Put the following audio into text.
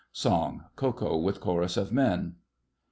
SONG—KO KO with CHORUS OF MEN.